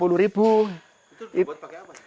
itu dibuat pakai apa